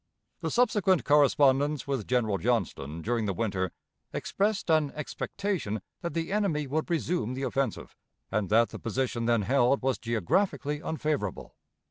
The subsequent correspondence with General Johnston during the winter expressed an expectation that the enemy would resume the offensive, and that the position then held was geographically unfavorable.